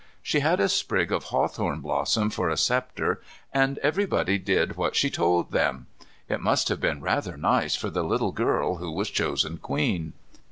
She had a sprig of hawthorn blossom for a sceptre, and everybody did what she told them. It must have been rather nice for the little girl who was chosen Queen.